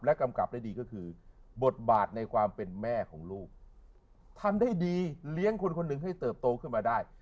กำกับได้ดีก็คือบทบาทในความเป็นแม่ของลูกทำได้ดีเลี้ยงคนคนหนึ่งให้เติบโตขึ้นมาได้